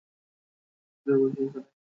আমি এখান থেকে বেরোবো কী করে?